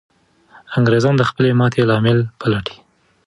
انګریزان د خپلې ماتې لامل پلټي.